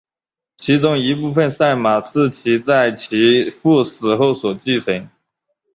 其中一部分赛马是其在其父死后所继承。